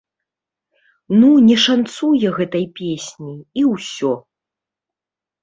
Ну не шанцуе гэтай песні, і ўсё!